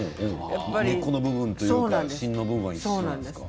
根っこの部分というか芯の部分は一緒というか。